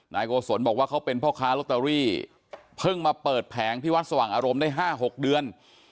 โกศลบอกว่าเขาเป็นพ่อค้าลอตเตอรี่เพิ่งมาเปิดแผงที่วัดสว่างอารมณ์ได้๕๖เดือน